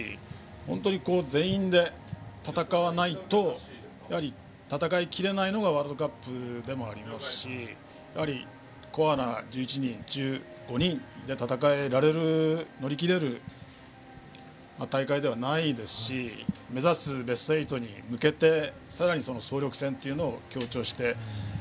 本当に全員で戦わないと戦いきれないのがワールドカップでもありますしコアな１１人、１５人で戦える乗り切れる大会ではないですし目指すベスト８に向けてさらに総力戦というの強調して。